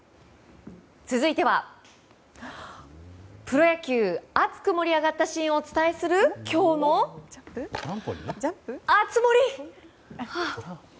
続いては、プロ野球熱く盛り上がったシーンをお伝えするきょうの熱盛！